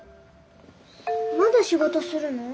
まだ仕事するの？